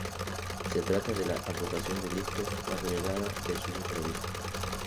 Se trata de la advocación de Cristo más venerada del sur de Tenerife.